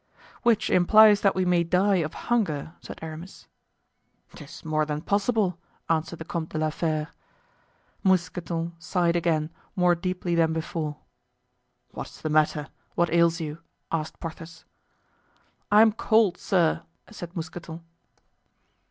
"Which implies that we may die of hunger," said Aramis. "'Tis more than possible," answered the Comte de la Fere. Mousqueton sighed again, more deeply than before. "What is the matter? what ails you?" asked Porthos. "I am cold, sir," said Mousqueton.